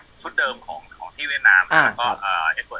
แล้วช่างคนนั้นเนี่ยหมอค่าเครื่องมือ